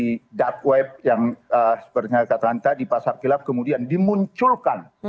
jual beli di dark web yang seperti yang kata hanta di pasar kelima kemudian dimunculkan